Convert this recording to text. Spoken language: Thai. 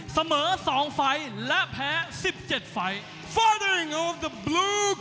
เสมอ๒ไฟล์และแพ้๑๗ไฟล์